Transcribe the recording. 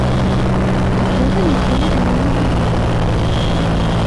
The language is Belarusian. Такога ніколі раней не было.